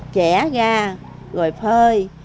chẻ ra rồi phơi